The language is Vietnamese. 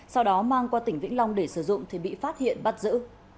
sau đó mang qua tỉnh vĩnh long để sử dụng thì bị phát hiện bắt giữ